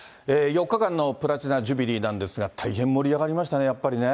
４日間のプラチナ・ジュビリーなんですが、大変盛り上がりましたね、やっぱりね。